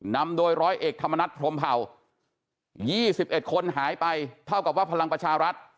นำโดยร้อยเอกธรรมนัฐพรมเผา๒๑คนหายไปเท่ากับว่าพลังประชารัฐ